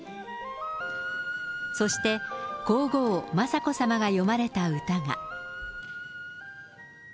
そして皇后、雅子さまが詠まれた歌が。